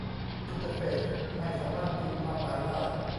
อินเตอร์เฟสไม่สามารถตีความหมายได้